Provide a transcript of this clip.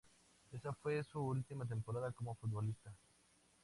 Esa fue su última temporada como futbolista.